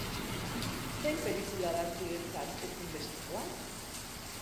Zein pelikula da zuretzat ezinbestekoa?